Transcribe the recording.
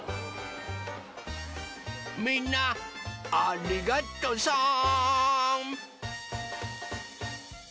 みんなありがとさん！